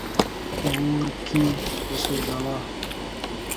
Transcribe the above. په اور کي وسوځاوه.